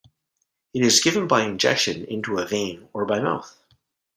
It is given by injection into a vein or by mouth.